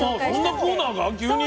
そんなコーナーが急に？